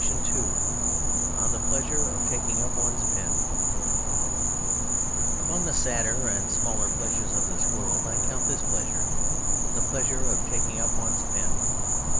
_ ON NOTHING ON THE PLEASURE OF TAKING UP ONE'S PEN Among the sadder and smaller pleasures of this world I count this pleasure: the pleasure of taking up one's pen.